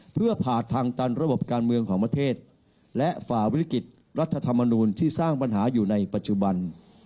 เพื่อผ่าทางตันระบบการเมืองของประเทศและฝ่าวิกฤตรัฐธรรมนูลที่สร้างปัญหาอยู่ในปัจจุบัน